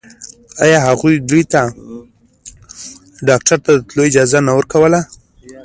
آيا هغوی دې ته ډاکتر ته د تلو اجازه نه ورکوله.